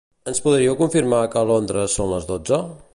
Ens podríeu confirmar que a Londres són les dotze?